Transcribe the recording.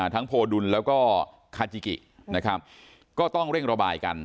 โพดุลแล้วก็คาจิกินะครับก็ต้องเร่งระบายกัน